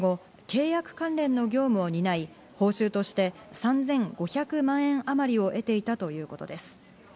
ＡＤＫは、その後、契約関連の業務を担い、報酬として３５００万円あまりを得ていたということです。